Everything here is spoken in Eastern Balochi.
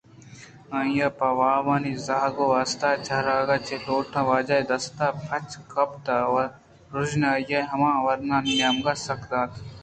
آئی ءَ پہ آوانی زانگ ءِ واستہ چراگ چہ لوگ واجہ ءِ دستاں پچ گپت ءُروژنائی ہما آوانی نیمگءَ سک دات